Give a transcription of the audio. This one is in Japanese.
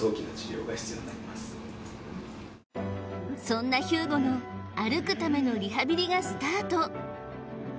そんなヒューゴの歩くためのリハビリがスタート